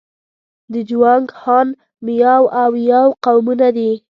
د جوانګ، هان، میاو او یاو قومونه دي.